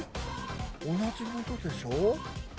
同じものでしょ。